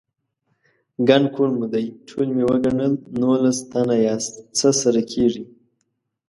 _ګڼ کور مو دی، ټول مې وګڼل، نولس تنه ياست، څه سره کېږئ؟